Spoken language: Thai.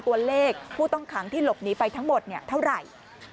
ตัวเลขผู้ต้องขังที่หลบหนีไปทั้งหมดเท่าไหร่